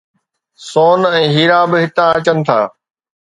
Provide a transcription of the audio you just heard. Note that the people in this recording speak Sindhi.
سون ۽ هيرا به هتان اچن ٿا